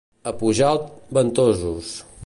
A Pujalt, ventosos.